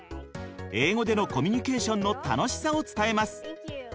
英語でのコミュニケーションの楽しさを伝えます。